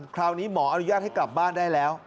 คราวนี้หมออนุญาตให้กลับบ้านได้แล้ว